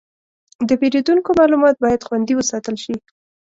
د پیرودونکو معلومات باید خوندي وساتل شي.